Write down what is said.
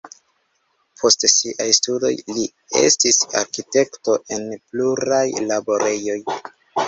Post siaj studoj li estis arkitekto en pluraj laborejoj.